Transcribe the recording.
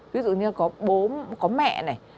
ví dụ như có bố có mẹ